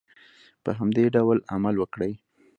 په همدې ډول عمل وکړئ.